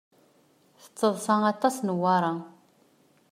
Tettaḍṣa aṭas Newwara.